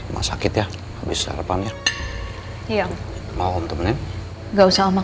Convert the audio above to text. nggak pernah sampai ke rumah gak selama ini